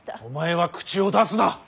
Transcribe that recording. お前は口を出すな！